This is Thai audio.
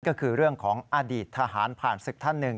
ก็คือเรื่องของอดีตทหารผ่านศึกท่านหนึ่ง